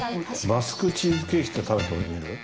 バスクチーズケーキって食べてみる？